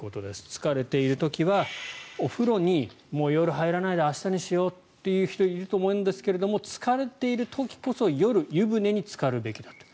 疲れている時はお風呂にもう夜入らなくて明日にしようという人がいると思うんですけど疲れている時こそ夜、湯船につかるべきだと。